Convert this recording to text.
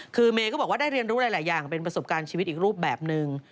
คือเมย์ก็บอกว่าได้เรียนรู้หลายอย่างเป็นประสบการณ์ชีวิตอีกรูปแบบนึง